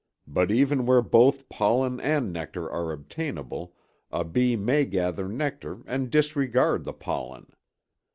But even where both pollen and nectar are obtainable a bee may gather nectar and disregard the pollen.